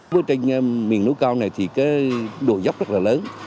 bước trên miền núi cao này thì độ dốc rất là lớn